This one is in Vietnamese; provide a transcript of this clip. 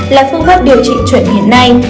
là phương pháp điều trị chuẩn hiện nay